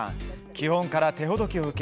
基本から手ほどきを受け